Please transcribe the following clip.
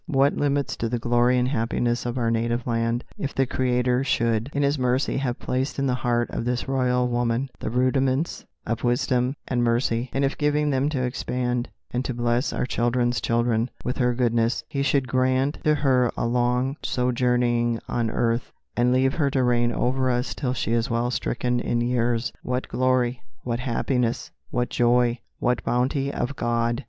What limits to the glory and happiness of our native land, if the Creator should in His mercy have placed in the heart of this Royal Woman the rudiments of wisdom and mercy; and if giving them time to expand, and to bless our children's children with her goodness, He should grant to her a long sojourning on earth, and leave her to reign over us till she is well stricken in years! What glory! what happiness! what joy! what bounty of God!"